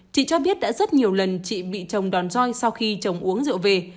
chị t a t cho biết đã rất nhiều lần chị bị chồng đòn roi sau khi chồng uống rượu về